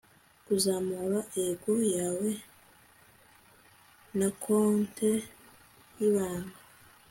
kuzamura ego yawe na konte y'ibanga